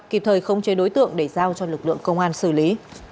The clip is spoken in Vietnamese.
kịp thời không chơi đối tượng để giao cho lực lượng công an xử lý